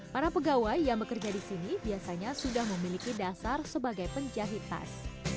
para pegawai yang bekerja di sini biasanya sudah memiliki dasar sebagai penjahit tas